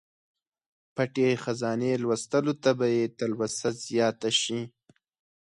پټې خزانې لوستلو ته به یې تلوسه زیاته شي.